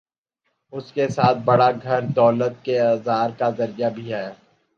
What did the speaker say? اس کے ساتھ بڑا گھر دولت کے اظہار کا ذریعہ بھی ہے۔